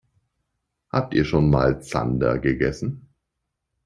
Habt ihr schon mal Zander gegessen?